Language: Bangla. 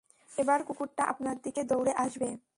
এবার কুকুরটা আপনার দিকে দৌড়ে আসবে।